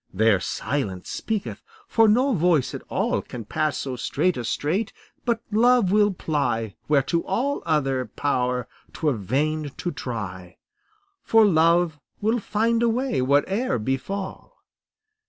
There silence speaketh, for no voice at all Can pass so strait a strait; but love will ply Where to all other power 'twere vain to try; For love will find a way whate'er befall.